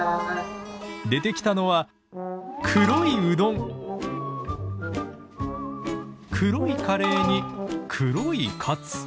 出てきたのは黒いカレーに黒いカツ。